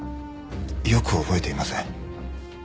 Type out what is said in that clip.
よく覚えていません。